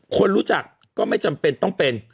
คนรู้จักก็ไม่จำเป็นต้องเป็น